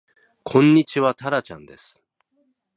こんにちはたらちゃんです